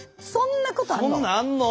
そんなんあんの？